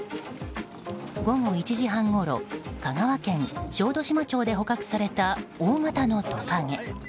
午後１時半ごろ香川県小豆島町で捕獲された大型のトカゲ。